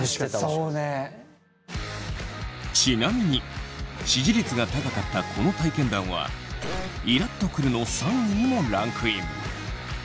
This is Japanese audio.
ちなみに支持率が高かったこの体験談はイラッとくるの３位にもランクイン。